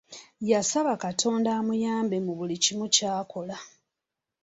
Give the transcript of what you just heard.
Yasaba katonda amuyambe mu buli kimu kyakola.